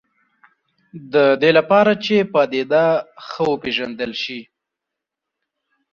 د دې لپاره چې پدیده ښه وپېژندل شي.